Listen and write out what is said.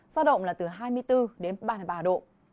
giao động là từ hai mươi bốn đến ba mươi ba độ